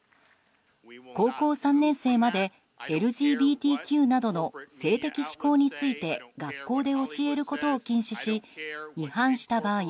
高校３年生までＬＧＢＴＱなどの性的指向について学校で教えることを禁止し違反した場合